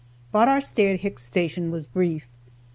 But our stay at Hicks' Station was brief.